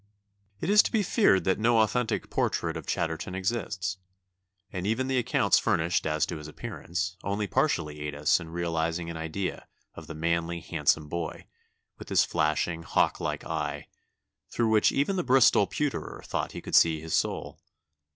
*] "It is to be feared that no authentic portrait of Chatterton exists; and even the accounts furnished as to his appearance, only partially aid us in realising an idea of the manly, handsome boy, with his flashing, hawklike eye, through which even the Bristol pewterer thought he could see his soul.